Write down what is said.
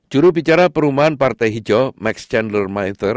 jurubicara perumahan partai hijau max chandler meyter